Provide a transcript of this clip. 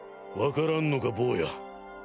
わからんのか坊や。